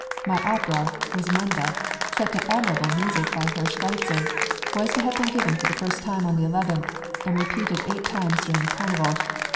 My opera "Rosamunde," set to admirable music by Herr Schweitzer, was to have been given for the first time on the 11th, and repeated eight times during the carnival.